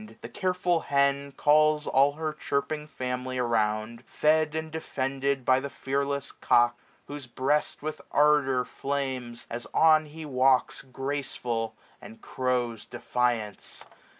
The careful hen Calls all her. chirping family around, 770 Fed and defended by the fearless cock j Whose breast with ardour flames, as on he walks Graceful, and crows defiance.